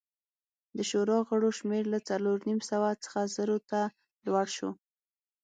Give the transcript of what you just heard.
د شورا غړو شمېر له څلور نیم سوه څخه زرو ته لوړ شو